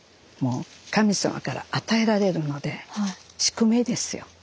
もう神様から与えられるので宿命ですよ。